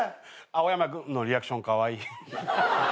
青山君のリアクションカワイイ。